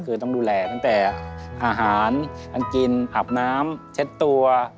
ก็ต้องดูแลเมื่อแต่อาหารการกินหับน้ำเช็ดตัว